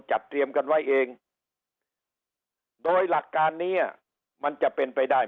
จัดเตรียมกันไว้เองโดยหลักการนี้มันจะเป็นไปได้